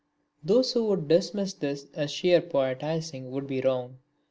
Those who would dismiss this as sheer poetising would be wrong.